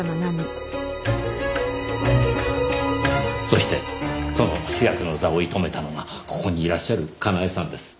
そしてその主役の座を射止めたのがここにいらっしゃるかなえさんです。